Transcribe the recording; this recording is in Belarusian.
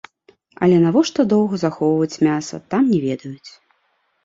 Але навошта доўга захоўваць мяса, там не ведаюць.